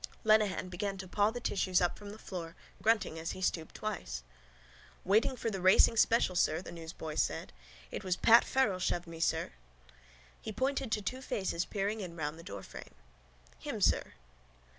Lenehan began to paw the tissues up from the floor, grunting as he stooped twice. —Waiting for the racing special, sir, the newsboy said. It was Pat Farrell shoved me, sir. He pointed to two faces peering in round the doorframe. —Him, sir.